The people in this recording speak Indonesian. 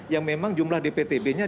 yang memang jumlah dptb nya